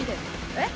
えっ？